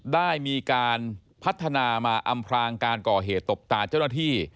ได้มีการพัฒนามาอำพรางการก่อเหตุตบตาเจ้าหน้าที่